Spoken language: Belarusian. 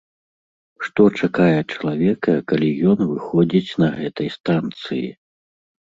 Што чакае чалавека, калі ён выходзіць на гэтай станцыі?